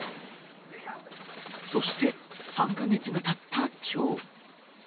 そして３か月がたったきょう。